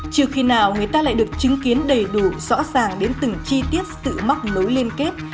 trừ khi nào người ta lại được chứng kiến đầy đủ rõ ràng đến từng chi tiết sự móc nối liên kết